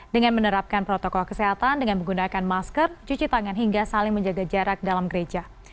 dengan menerapkan protokol kesehatan dengan menggunakan masker cuci tangan hingga saling menjaga jarak dalam gereja